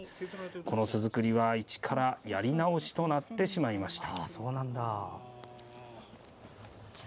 この巣作りは、一からやり直しとなってしまいました。